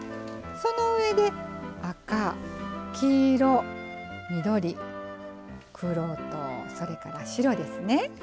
その上で赤黄色緑黒とそれから白ですね。